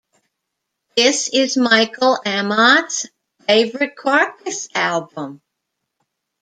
This is Michael Amott's favorite Carcass album.